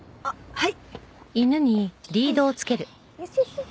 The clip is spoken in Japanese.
はい！